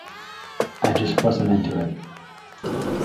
I just wasn't into it...